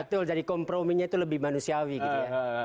betul jadi komprominya itu lebih manusiawi gitu ya